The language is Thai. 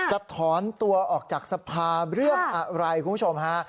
จะถอนตัวออกจากสภาเรื่องอะไรคุณผู้ชมฮะ